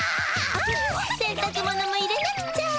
あっせんたく物も入れなくちゃ。